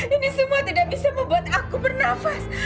ini semua tidak bisa membuat aku bernafas